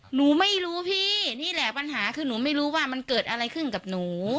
หนูไม่รู้พี่นี่แหละปัญหาคือหนูไม่รู้ว่ามันเกิดอะไรขึ้นกับหนู